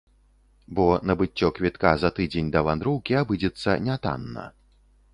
Бо набыццё квітка за тыдзень да вандроўкі абыдзецца нятанна.